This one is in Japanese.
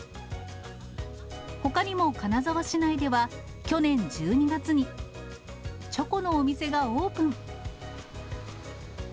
ほかにも金沢市内では、去年１２月に、チョコのお店がオープン。